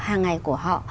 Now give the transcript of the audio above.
hàng ngày của họ